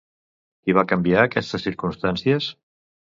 Qui va canviar aquestes circumstàncies?